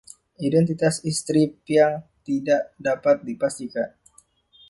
Identitas istri Piankh tidak dapat dipastikan.